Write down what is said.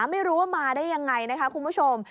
ไม่รู้ว่ามาได้ยังไงนะคะคุณผู้ชม